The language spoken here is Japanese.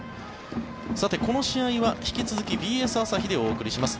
この試合は引き続きＢＳ朝日でお送りします